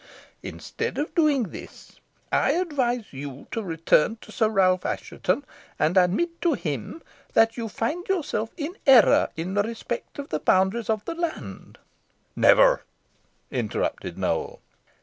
Instead of doing this, I advise you to return to Sir Ralph Assheton, and admit to him that you find yourself in error in respect to the boundaries of the land " "Never," interrupted Nowell.